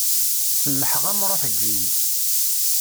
Semmḥeɣ-am ṛuḥ eǧǧ-iyi.